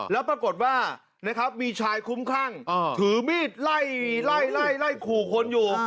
แล้วปรากฏว่ามีชายคุ้มข้างถือมีดไล่ไล่ไล่ไล่ไล่ขู่คนอยู่